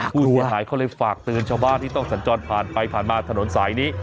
ผู้เสียหายเขาเลยฝากเตือนชาวบ้านที่ต้องสัญจรผ่านไปผ่านมาถนนสายนี้